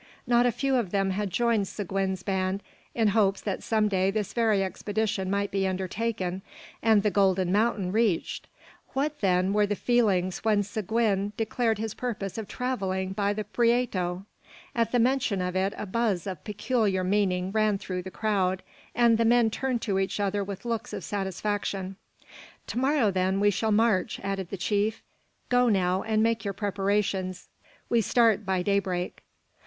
Not a few of them had joined Seguin's band in hopes that some day this very expedition might be undertaken, and the "golden mountain" reached. What, then, were their feelings when Seguin declared his purpose of travelling by the Prieto! At the mention of it a buzz of peculiar meaning ran through the crowd, and the men turned to each other with looks of satisfaction. "To morrow, then, we shall march," added the chief. "Go now and make your preparations; we start by daybreak."